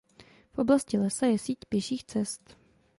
V oblasti lesa je síť pěších cest.